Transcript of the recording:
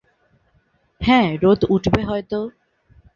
হ্যাঁ রোদ উঠবে হয়ত।